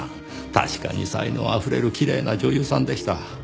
確かに才能溢れるきれいな女優さんでした。